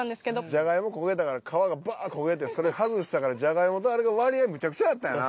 ジャガイモ焦げたから皮がバーッ焦げてそれ外したからジャガイモとあれが割合むちゃくちゃになったんやな。